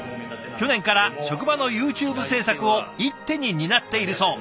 去年から職場のＹｏｕＴｕｂｅ制作を一手に担っているそう。